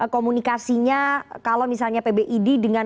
komunikasinya kalau misalnya pbid dengan